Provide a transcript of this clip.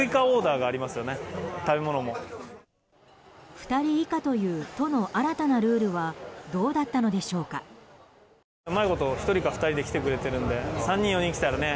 ２人以下という都の新たなルールはどうだったのでしょうか。